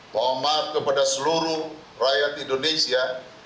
mohon maaf kepada seluruh rakyat indonesia